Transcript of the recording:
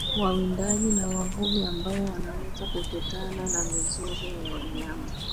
Wawindaji na wavuvi ambao wanaweza kukutana na mizoga ya wanyama